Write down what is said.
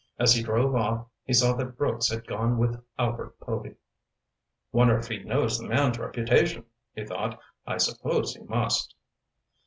As he drove off he saw that Brooks had gone with Albert Povy. "Wonder if he knows the man's reputation?" he thought. "I suppose he must."